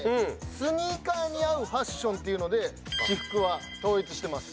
スニーカーに合うファッションっていうので私服は統一してます。